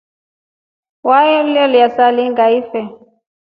Waiya saailinga ife.